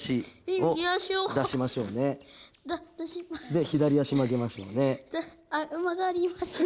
で左足まげましょうね。